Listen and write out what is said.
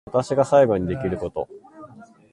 私が最後にできること